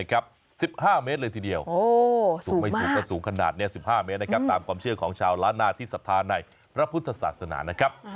และล้านนาที่ศัพท์ในพระพุทธศาสนานะครับ